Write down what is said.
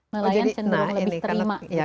melayan cenderung lebih terima